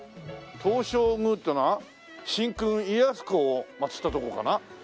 東照宮ってのは神君家康公をまつったとこかな？